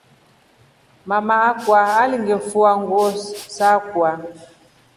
Mama akwa alingefua nguo sakwa.